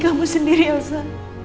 kamu sendiri elsa